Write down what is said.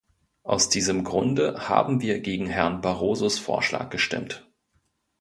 Aus diesem Grunde haben wir gegen Herrn Barrosos Vorschlag gestimmt.